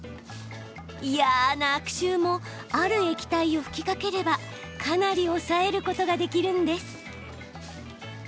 嫌な悪臭もある液体を吹きかければかなり抑えることができるんです。